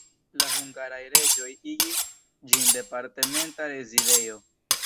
La hungaraj reĝoj igis ĝin departementa rezidejo.